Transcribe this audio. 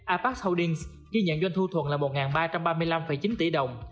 apac holdings ghi nhận doanh thu thuận là một ba trăm ba mươi năm chín tỷ đồng